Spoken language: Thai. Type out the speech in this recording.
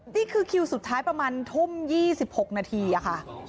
นี่คือคิวสุดท้ายประมาณทุ่ม๒๖นาทีค่ะ